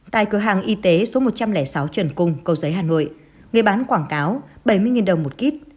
tại cửa hàng y tế số một trăm linh sáu trần cung cầu giấy hà nội người bán quảng cáo bảy mươi đồng một kít